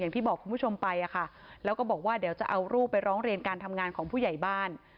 อย่างที่บอกคุณผู้ชมไปอะค่ะแล้วก็บอกว่าเดี๋ยวจะเอารูปไปร้องเรียนการทำงานของผู้ใหญ่บ้าน